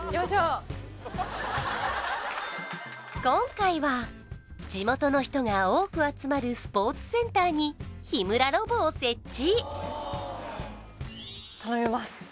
今回は地元の人が多くあつまるスポーツセンターに日村ロボを設置お願いします